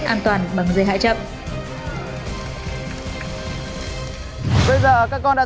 đứng lại đứng lại đứng lại